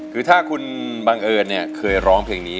คือถ้าคุณบังเอิญเนี่ยเคยร้องเพลงนี้